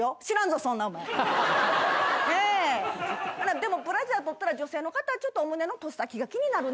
でもブラジャー取ったら女性の方はちょっとお胸の突先が気になるね